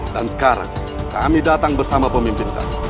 dan sekarang kami datang bersama pemimpin kami